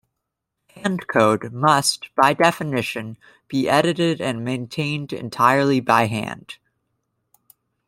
Hand code must, by definition, be edited and maintained entirely by hand.